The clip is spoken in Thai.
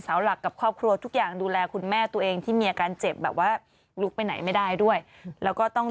เสาหลักกับครอบครัวทุกอย่างดูแลคุณแม่ตัวเองที่มีอาการ